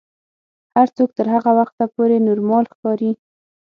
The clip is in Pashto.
هر څوک تر هغه وخته پورې نورمال ښکاري.